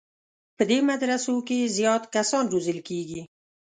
په دې مدرسو کې زیات کسان روزل کېږي.